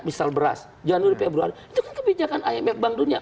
misal beras januari februari itu kan kebijakan imf bank dunia